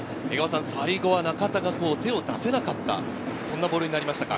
最後は中田が手を出せなかった、そんなボールになりましたか？